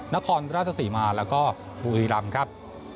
นครราชศรีมาแล้วก็บุรีรำครับ